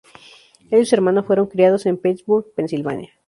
Él y su hermano fueron criados en Pittsburgh, Pennsylvania.